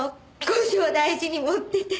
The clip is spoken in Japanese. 後生大事に持ってて。